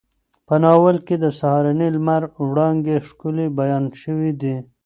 په ناول کې د سهارني لمر وړانګې ښکلې بیان شوې دي.